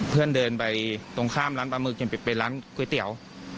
เพื่อนเดินไปตรงข้ามร้านปลาหมึกเป็นร้านก๋วยเตี๋ยว